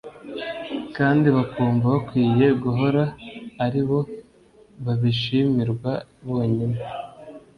kandi bakumva bakwiye guhora ari bo babishimirwa bonyine